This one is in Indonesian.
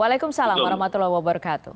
waalaikumsalam warahmatullahi wabarakatuh